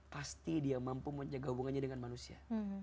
pasti dia mampu menjaga hubungannya dengan manusia